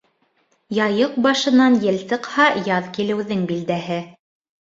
Яйыҡ башынан ел сыҡһа, яҙ килеүҙең билдәһе.